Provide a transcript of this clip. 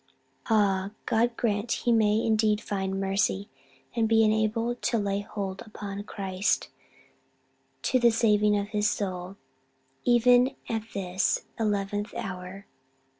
"Ah, God grant he may indeed find mercy, and be enabled to lay hold upon Christ to the saving of his soul, even at this eleventh hour!"